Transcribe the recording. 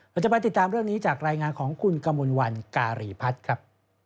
เราจะไปติดตามเรื่องนี้จากรายงานของคุณกมลวันการีพัฒน์ครับ